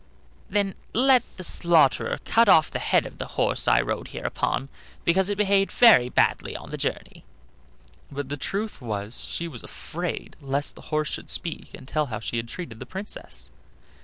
"Then let the slaughterer cut off the head of the horse I rode here upon, because it behaved very badly on the journey." But the truth was she was afraid lest the horse should speak and tell how she had treated the Princess.